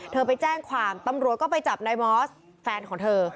ไปแจ้งความตำรวจก็ไปจับนายมอสแฟนของเธอ